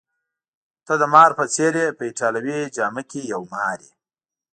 ته د مار په څېر يې، په ایټالوي جامه کي یو مار یې.